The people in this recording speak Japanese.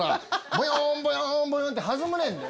ボヨンボヨンボヨンって弾むねんで。